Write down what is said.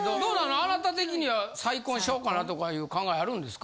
あなた的には再婚しようかなとかいう考えあるんですか？